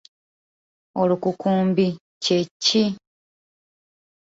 Olukukumbi kye ki?